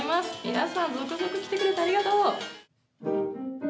皆さん、続々来てくれてありがとう。